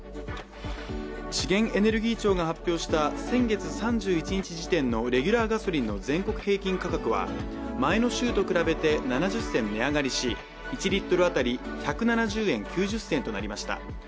資源エネルギー庁が発表した先月３１日時点のレギュラーガソリンの全国平均価格は前の週と比べて７０銭値上がりし、１Ｌあたり１７０円９０銭となりました。